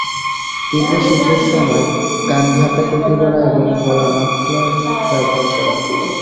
তীব্র শীতের সময় কান ঢাকা টুপি পরা এবং গলায় মাফলার ব্যবহার করা।